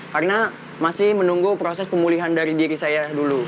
karena masih menunggu proses pemulihan dari diri saya dulu